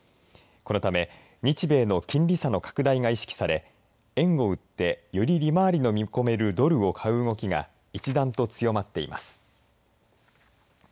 このため日米の金利差の拡大が意識され円を売ってより利回りの見込めるドルを買う動きが一段と強まっています。